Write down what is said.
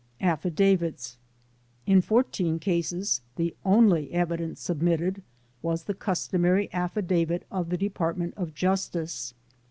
AfiEidavits In 14 cases the only evidence submitted was the cus tomary affidavit of the Department of Justice.